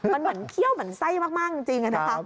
มันเหมือนเขี้ยวเหมือนไส้มากจริงนะคะ